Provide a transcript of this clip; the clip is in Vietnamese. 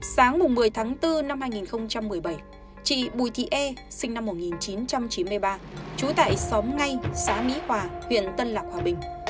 sáng một mươi tháng bốn năm hai nghìn một mươi bảy chị bùi thị e sinh năm một nghìn chín trăm chín mươi ba trú tại xóm ngay xã mỹ hòa huyện tân lạc hòa bình